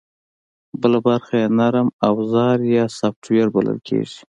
بله برخه یې نرم اوزار یا سافټویر بلل کېږي